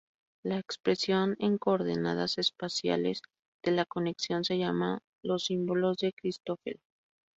La expresión en coordenadas espaciales de la conexión se llama los símbolos de Christoffel.